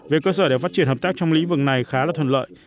về cơ sở để phát triển hợp tác trong lĩnh vực này khá là thuận lợi